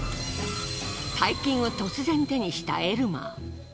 大金を突然手にしたエルマー。